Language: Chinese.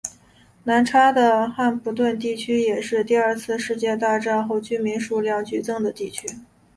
南叉的汉普顿地区也是第二次世界大战后居民数量剧增的地区。